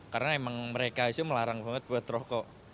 karena memang mereka itu melarang banget buat rokok